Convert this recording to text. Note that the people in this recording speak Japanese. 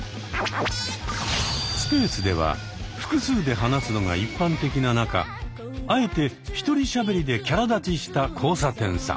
スペースでは複数で話すのが一般的な中あえて１人しゃべりでキャラ立ちした交差点さん。